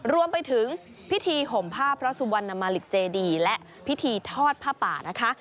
รวมไปถึงพิธีห่มผ้าพระสุวรรณมาลิกเจดีและพิธีทอดผ้าป่านะคะ